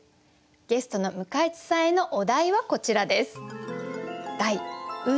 ゲストの向井地さんへのお題はこちらです。